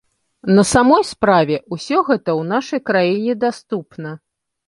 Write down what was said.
На самой справе, усё гэта ў нашай краіне даступна.